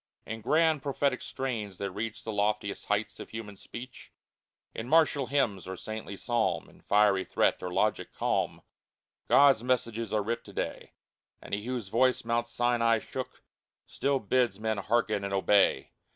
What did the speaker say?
In grand, prophetic strains that reach The loftiest heights of human speech, In martial hymn, or saintly psalm, In fiery threat, or logic calm, God's messages are writ to day — And He whose voice Mount Sinai shook Still bids men hearken and obey